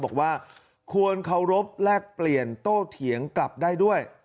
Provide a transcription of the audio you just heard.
บอกว่าควรเคารพแลกเปลี่ยนโต้เถียงกลับได้ด้วย